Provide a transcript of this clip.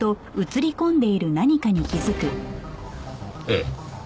ええ。